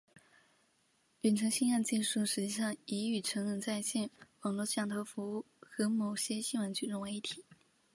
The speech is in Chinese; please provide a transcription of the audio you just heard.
远程性爱技术事实上已与成人在线网络摄像头服务和某些性玩具融为一体。